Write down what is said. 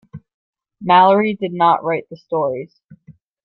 Malory did not write the stories.